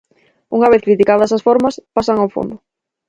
Unha vez criticadas as formas, pasan ao fondo.